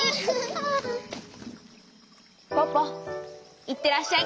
ポポいってらっしゃい！